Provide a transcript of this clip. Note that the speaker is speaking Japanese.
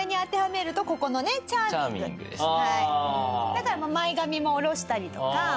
だから前髪も下ろしたりとか。